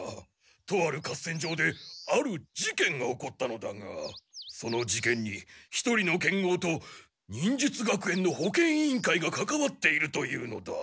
とある合戦場である事件が起こったのだがその事件に一人の剣豪と忍術学園の保健委員会がかかわっているというのだ。